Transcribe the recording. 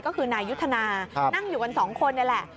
ก็คือนายยุทธนานั่งอยู่กันสองคนนี่แหละ